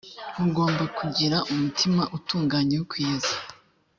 mugomba kugiraa umutima utunganye wo kwiyeza